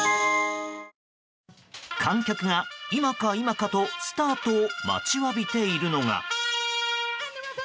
観客が今か今かとスタートを待ちわびているのが。